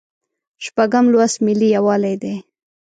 شپږم لوست ملي یووالی دی.